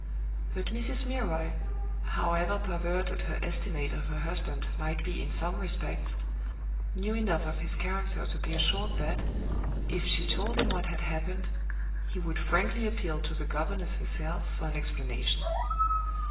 But Mrs. Milroy, however perverted her estimate of her husband might be in some respects, knew enough of his character to be assured that, if she told him what had happened, he would frankly appeal to the governess herself for an explanation.